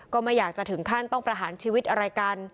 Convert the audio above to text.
ก็ไม่อยากจะถึงขั้นต้องประหารชีวิตอะไรกัน